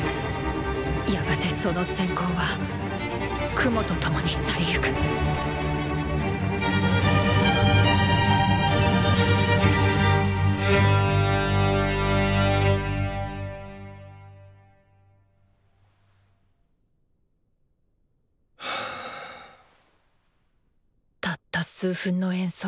やがてその閃光は雲と共に去り行くたった数分の演奏。